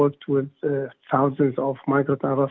ribuan migran dan rafis